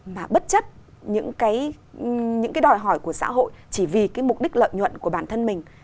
mà bất chấp những cái đòi hỏi của xã hội chỉ vì cái mục đích lợi nhuận của bản thân mình